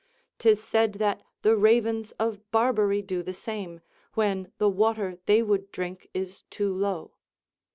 'Tis said that the ravens of Barbary do the same, when the water they would drink is too low.